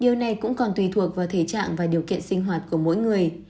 điều này cũng còn tùy thuộc vào thể trạng và điều kiện sinh hoạt của mỗi người